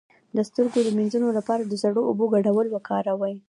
د سترګو د مینځلو لپاره د سړو اوبو ګډول وکاروئ